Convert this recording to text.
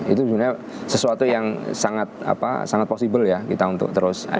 itu sebenarnya sesuatu yang sangat possible ya kita untuk terus